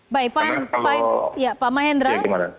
baik pak mahendra